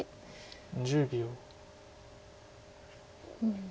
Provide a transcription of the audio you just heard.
１０秒。